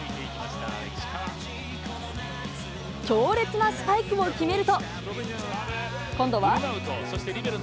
強烈なスパイクを決めると、今度は。